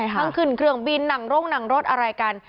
ทั้งขึ้นเครื่องบินหนังร่งหนังรถอะไรกัน